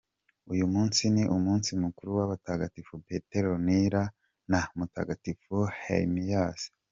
Uyu munsi ni umunsi mukuru w’abatagatifu Peteronila, na mutagatifu Hermias.